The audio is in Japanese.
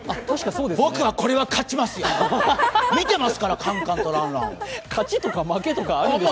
僕は、これは勝ちますよ、見てますからカンカンとランランを。